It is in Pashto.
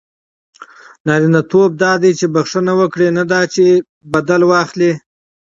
نارینه توب دا دئ، چي بخښنه وکړئ؛ نه دا چي انتقام واخلى.